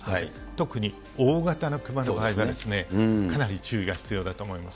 特に大型の熊の場合は、かなり注意が必要だと思います。